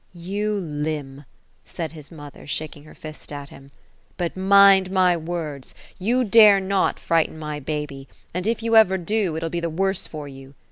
" You limb !" said his mother, shaking her fist at him ;" but mind my words. You dare not frighten ray baby ; and if ever you do, it'll be the worse for you.